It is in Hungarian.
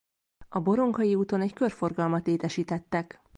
A Boronkai úton egy körforgalmat létesítettek.